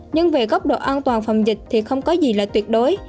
nhưng về góc độ an toàn phòng dịch thì không có gì là tuyệt đối